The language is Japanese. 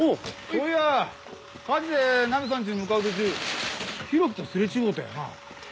そういや火事でナミさんちに向かう途中浩喜とすれ違うたよな？